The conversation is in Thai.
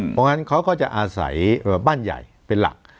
เพราะงั้นเขาก็จะอาศัยบ้านใหญ่เป็นหลัก